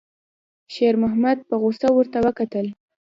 شېرمحمد په غوسه ورته وکتل.